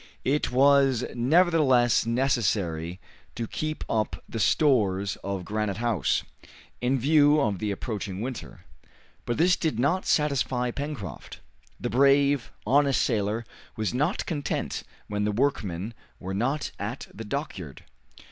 It was nevertheless necessary to keep up the stores of Granite House, in view of the approaching winter. But this did not satisfy Pencroft. The brave, honest sailor was not content when the workmen were not at the dockyard.